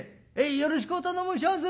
よろしくお頼申します。